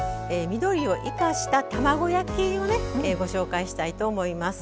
緑を生かした卵焼きをねご紹介したいと思います。